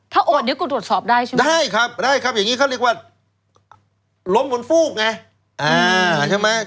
ถ้าโอนก็ตรวจสอบได้ใช่ไหมได้ครับอย่างนี้เขาเรียกว่าลมบนฟูกไง